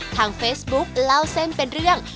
ทางเฟซบุ๊คเล่าเส้นเป็นเรื่อง